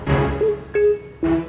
bukan mau jual tanah